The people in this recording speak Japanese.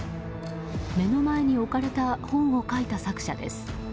目の前に置かれた本を書いた作者です。